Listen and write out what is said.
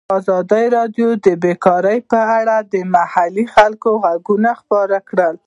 ازادي راډیو د بیکاري په اړه د محلي خلکو غږ خپور کړی.